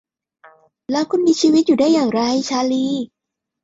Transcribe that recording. แล้วคุณมีชีวิตอยู่ได้อย่างไร ชาลี